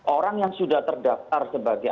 orang yang sudah terdaftar sebagai